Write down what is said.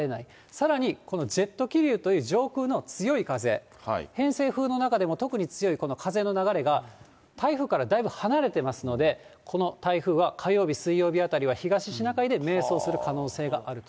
さらに、このジェット気流という上空の強い風、偏西風の中でも特に強いこの風の流れが、台風からだいぶ離れてますので、この台風は火曜日、水曜日あたりは東シナ海で迷走する可能性があると。